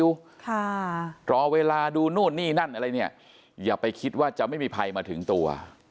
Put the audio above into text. ค่ะรอเวลาดูนู่นนี่นั่นอะไรเนี่ยอย่าไปคิดว่าจะไม่มีใครมาถึงตัว